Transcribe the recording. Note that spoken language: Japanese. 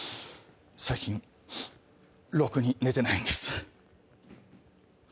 最近ろくに寝てないんです。